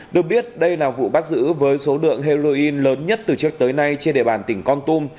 được biết đây là vụ bắt giữ với số lượng heroin lớn nhất từ trước tới nay trên địa bàn tỉnh con tum